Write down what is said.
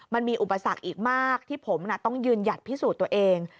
มันมีอุปสรรคอีกมากที่ผมต้องยืนหยัดพิสูจน์ตัวเอง